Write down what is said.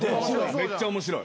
めっちゃ面白い。